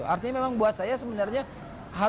artinya memang buat saya sebenarnya harus